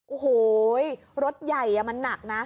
โอ้โหรถใหญ่มันหนักนะ